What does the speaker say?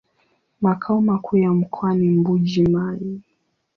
Makao makuu ya mkoa ni Mbuji-Mayi.